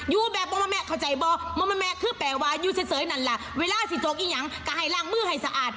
อยู่แบบมันแม่เข้าใจบ้อมันแม่คือแปลว่ายูเศษนั่นล่ะเวลาสิโจ๊กอิงหยังกะไหล่ล่างมือให้สะอาด